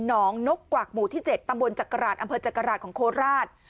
น้องนกกวักหมู่ที่๗ตำบลจักราชอำเภอจักราชของโคราช